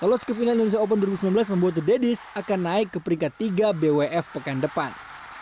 lolos ke final indonesia open dua ribu sembilan belas membuat the daddies akan naik ke peringkat tiga bwf pekan depan